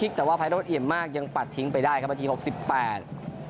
ฟรีคลิกแต่ว่าไพรส์อิ่มมากยังปัดทิ้งไปได้ครับนาทีหกสิบแปด